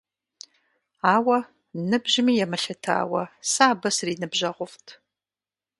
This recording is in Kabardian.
Ауэ, ныбжьми емылъытауэ, сэ абы сриныбжьэгъуфӀт.